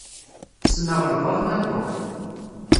Sneɣ lbaḍna n Tom.